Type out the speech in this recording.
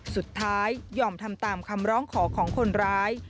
สุดท้ายยอมทำตามคำร้องขอของคนร้าย